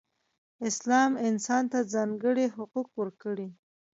اسلام انسان ته ځانګړې حقوق ورکړئ.